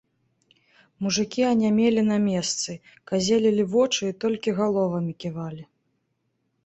Мужыкі анямелі на месцы, казелілі вочы і толькі галовамі ківалі.